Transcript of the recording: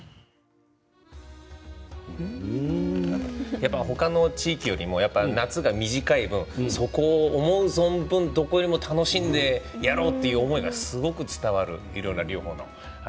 やっぱり他の地域よりも夏が短い分そこを思う存分どこよりも楽しんでやろうという思いがすごく伝わる。